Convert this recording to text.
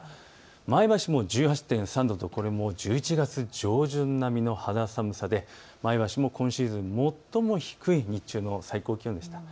前橋も１８．３度、１１月上旬並みの肌寒さで前橋も今シーズン、最も低い気温でした。